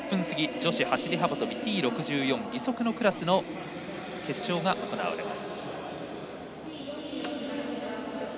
女子走り幅跳びＴ５４義足のクラスの決勝が行われます。